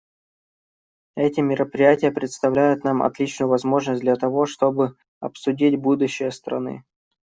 Эти мероприятия предоставят нам отличную возможность для того, чтобы обсудить будущее страны.